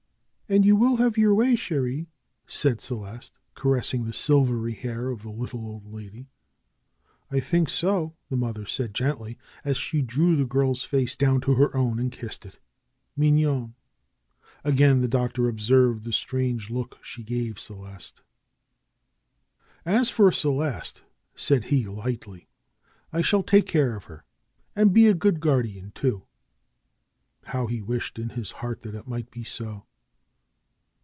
"And you will have your way, cherie," said Celeste, caressing the silvery hair of the little old lady. "I think so," the mother said gently, as she drew the girl's face down to her own and kissed it. " Mig nonne !*" Again the Doctor observed the strange look she gave Celeste. 148 DR. SCHOLAR CRUTCH ^'As for Celeste," said lie lightly, "1 shall take care of her, and he a good guardian, too." How he wished in his heart that it might be so